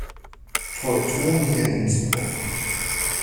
Teutonia Innsbruck.